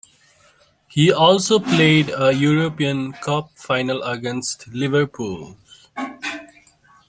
He also played a European cup final against Liverpool.